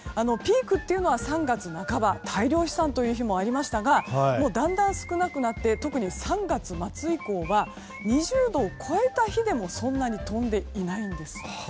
ピークというのは３月半ば大量飛散という日もありましたがだんだん少なくなって特に３月末以降は２０度を超えた日でもそんなに飛んでいないんです。